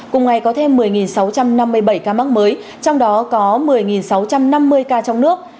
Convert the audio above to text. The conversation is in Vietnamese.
cùng ngày có thêm một mươi sáu trăm năm mươi bảy ca mắc mới trong đó có một mươi sáu trăm năm mươi ca trong nước